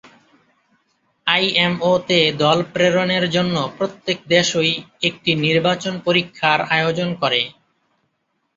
আইএমও-তে দল প্রেরণের জন্য প্রত্যেক দেশই একটি নির্বাচন পরীক্ষার আয়োজন করে।